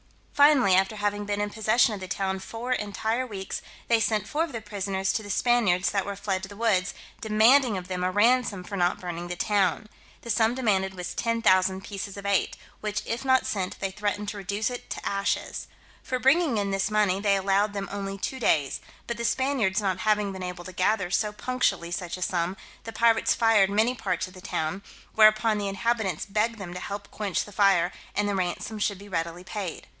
Finally, after having been in possession of the town four entire weeks, they sent four of the prisoners to the Spaniards that were fled to the woods, demanding of them a ransom for not burning the town. The sum demanded was 10,000 pieces of eight, which if not sent, they threatened to reduce it to ashes. For bringing in this money, they allowed them only two days; but the Spaniards not having been able to gather so punctually such a sum, the pirates fired many parts of the town; whereupon the inhabitants begged them to help quench the fire, and the ransom should be readily paid.